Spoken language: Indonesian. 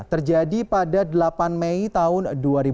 terjadi pada delapan mei tahun dua ribu delapan belas